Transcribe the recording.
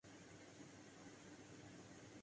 اس ملک کو سب سے زیادہ نقصان